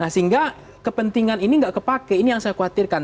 sehingga kepentingan ini nggak kepake ini yang saya khawatirkan